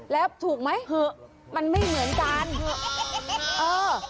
แล้วถูกไหมเหอะมันไม่เหมือนกันเออ